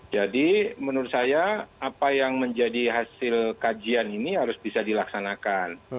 jadi menurut saya apa yang menjadi hasil kajian ini harus bisa dilaksanakan